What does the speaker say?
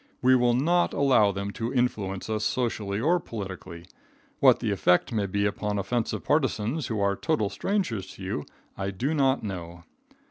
We will not allow them to influence us socially or politically. What the effect may be upon offensive partisans who are total strangers to you, I do not know.